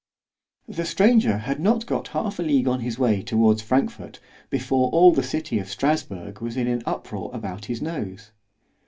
The stranger had not got half a league on his way towards Frankfort before all the city of Strasburg was in an uproar about his nose.